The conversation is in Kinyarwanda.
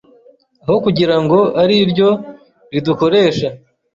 aho kugirango ariryo ridukoresha